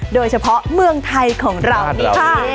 โดยเฉพาะเมืองไทยของเรานี่ค่ะ